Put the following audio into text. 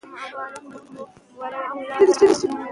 هغه يو سترګې لا د سړي زوی نه وو.